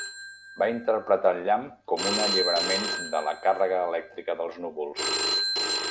Va interpretar el llamp com un alliberament de la càrrega elèctrica dels núvols.